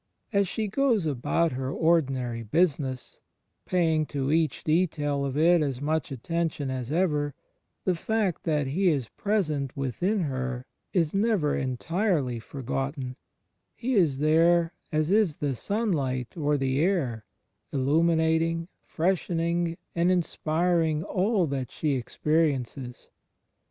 As she goes about her ordinary business, paying to each detail of it as much attention as ever, the fact that He is present within her is never entirely forgotten: He is there as is the simlight or the air, illimiinating, freshening and inspiring all that she experiences.